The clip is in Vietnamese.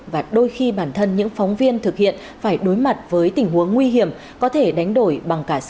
và đôi khi bản thân những phóng viên thực hiện phải đối mặt với tình huống nguy hiểm có thể đánh đổi bằng cảnh sát